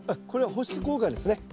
これは保湿効果ですね。